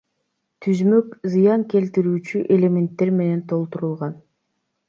Түзмөк зыян келтирүүчү элементтер менен толтурулган.